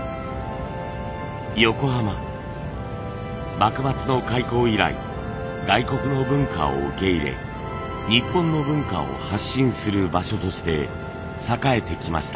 幕末の開港以来外国の文化を受け入れ日本の文化を発信する場所として栄えてきました。